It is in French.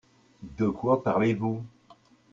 De quoi parlez-vous ?